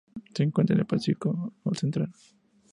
Se encuentra en el Pacífico central.